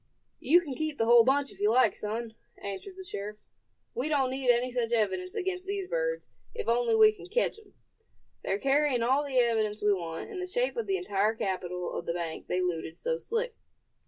"You can keep the whole bunch if you like, son," answered the sheriff; "we don't need any such evidence against these birds, if only we can ketch 'em. They're carrying all the evidence we want, in the shape of the entire capital of the bank they looted so slick."